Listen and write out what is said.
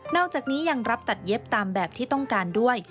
อกจากนี้ยังรับตัดเย็บตามแบบที่ต้องการด้วย